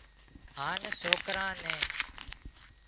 هانَ سوڪرا نين